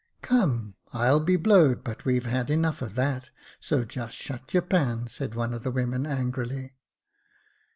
" Come, I'll be blowed but we've had enough of that, so just shut your pan," said one of the women, angrily.